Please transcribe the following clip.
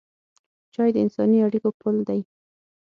چای د انساني اړیکو پل دی.